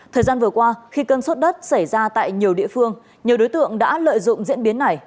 thời gian vừa qua khi cơn sốt đất xảy ra tại nhiều địa phương nhiều đối tượng đã lợi dụng diễn biến này